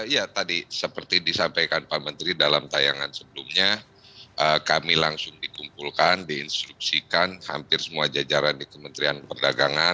ya tadi seperti disampaikan pak menteri dalam tayangan sebelumnya kami langsung dikumpulkan diinstruksikan hampir semua jajaran di kementerian perdagangan